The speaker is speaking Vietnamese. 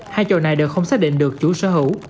hai trồ này đều không xác định được chủ sở hữu